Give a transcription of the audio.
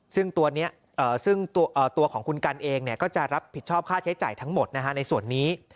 ซึ่งตัวนี้ซึ่งตัวของคุณกันเองก็จะรับผิดชอบค่าใช้จ่ายทั้งหมดในส่วนนี้